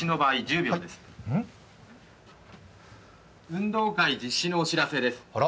運動会実施のお知らせです。